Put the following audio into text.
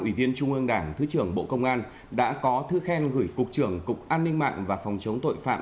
ủy viên trung ương đảng thứ trưởng bộ công an đã có thư khen gửi cục trưởng cục an ninh mạng và phòng chống tội phạm